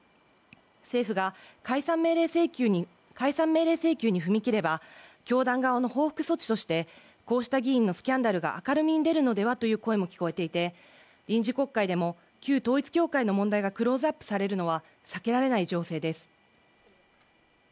政府が解散命令請求に踏み切れば教団側の報復措置としてこうした議員のスキャンダルが明るみに出るのではという声も聞こえていて臨時国会でも旧統一教会の問題がクローズアップされるのは避けられない情勢です